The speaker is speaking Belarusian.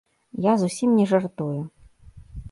Я зусім не жартую.